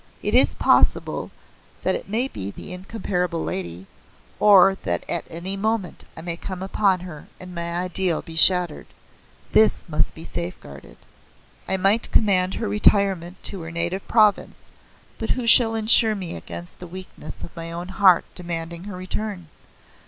It is possible that it may be the Incomparable Lady, or that at any moment I may come upon her and my ideal be shattered. This must be safeguarded. I might command her retirement to her native province, but who shall insure me against the weakness of my own heart demanding her return?